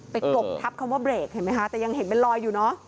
ไปกกทับคำว่าเบรกแต่ยังเห็นเป็นรอยอยู่